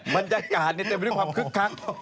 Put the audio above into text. บรรยากาศเนี่ยเจ้าไปด้วยความคึกครัก